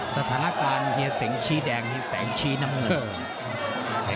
สถานการณ์เฮียเสียงชี้แดงเฮียแสงชี้น้ำเงิน